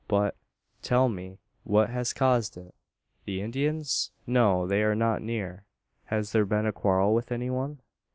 But tell me what has caused it? The Indians? No, they are not near? Has there been a quarrel with any one?"